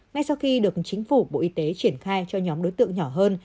ngay sau khi được chính phủ bộ y tế triển khai cho nhóm đối tượng nhỏ hơn